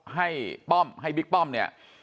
ป้อมให้บิ๊กป้อมเนี่ย